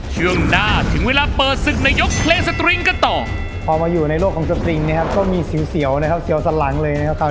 เชื่องหน้าถึงเวลาเปิดศึกในยกเพล